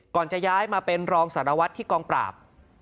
จะย้ายมาเป็นรองสารวัตรที่กองปราบ